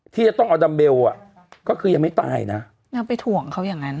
ที่จะต้องเอาดัมเบลอ่ะก็คือยังไม่ตายนะนางไปถ่วงเขาอย่างนั้น